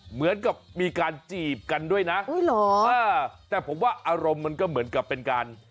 เหมือนกับมีการจีบกันด้วยนะแต่ผมว่าอารมณ์มันก็เหมือนกับเป็นการ